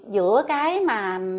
giữa cái mà